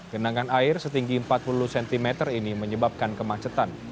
genangan air setinggi empat puluh cm ini menyebabkan kemacetan